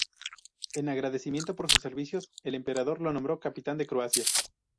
En agradecimiento por sus servicios, el Emperador lo nombró capitán de Croacia.